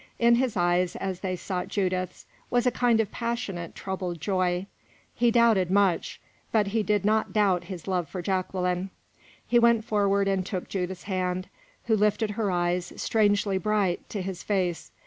In his eyes, as they sought Judith's, was a kind of passionate, troubled joy; he doubted much, but he did not doubt his love for Jacqueline. He went forward and took Judith's hand, who lifted her eyes, strangely bright, to his face.